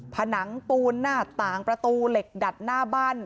ผนังปูนหน้าต่างประตูเหล็กดัดหน้าบ้าน